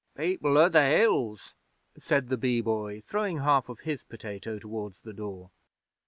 'People o' the Hills,' said the Bee Boy, throwing half of his potato towards the door.